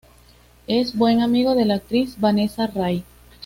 Es buen amigo de la actriz Vanessa Ray.